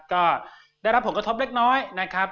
ก็ได้รับผลกระทบเล็กน้อยนะครับ